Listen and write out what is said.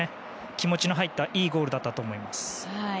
気持ちの入ったいいゴールだったと思います。